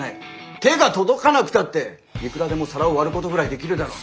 手が届かなくたっていくらでも皿を割ることぐらいできるだろ。